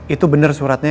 itu bener suratnya